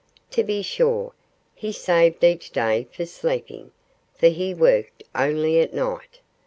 To be sure, he saved each day for sleeping for he worked only at night.